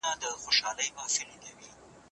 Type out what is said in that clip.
ولي کوښښ کوونکی د لایق کس په پرتله برخلیک بدلوي؟